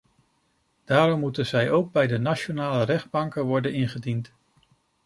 Daarom moeten zij ook bij de nationale rechtbanken worden ingediend.